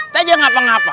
tidak ada apa apa